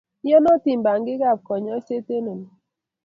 Iyonatin pangik ap kanyoiset eng' oli.